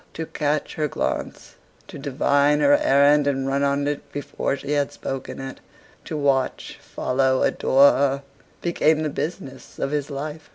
To catch her glance, to divine her errand and run on it before she had spoken it; to watch, follow, adore her; became the business of his life.